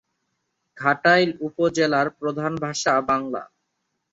ঘাটাইল উপজেলার প্রধান ভাষা বাংলা।